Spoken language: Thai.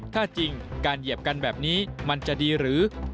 ถ้าจริงการเหยียบกันแบบนี้มันจะดีหรือ